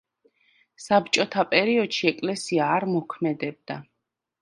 საბჭოთა პერიოდში ეკლესია არ მოქმედებდა.